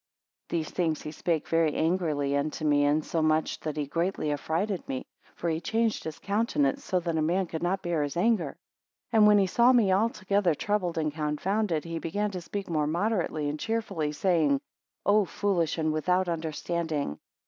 17 These things he spake very angrily unto me, insomuch that he greatly affrighted me, for he changed his countenance so that a man could not bear his anger. 18 And when he saw me altogether troubled and confounded, he began to speak more moderately and cheerfully, saying, O foolish, and without understanding!